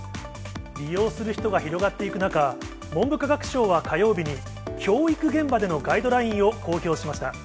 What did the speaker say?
利用する人が広がっていく中、文部科学省は火曜日に、教育現場でのガイドラインを公表しました。